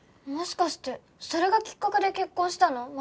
もしかしてそれがきっかけで結婚したの？